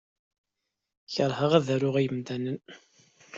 Keṛheɣ ad aruɣ imḍanen.